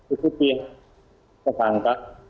itu itu ya kesangka